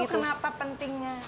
itu kenapa pentingnya